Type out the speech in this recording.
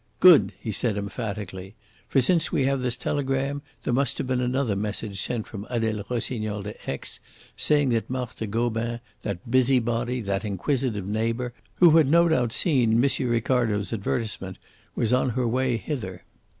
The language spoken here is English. "Good!" he said emphatically. "For, since we have this telegram, there must have been another message sent from Adele Rossignol to Aix saying that Marthe Gobin, that busybody, that inquisitive neighbour, who had no doubt seen M. Ricardo's advertisement, was on her way hither.